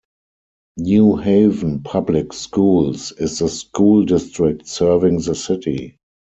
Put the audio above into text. New Haven Public Schools is the school district serving the city.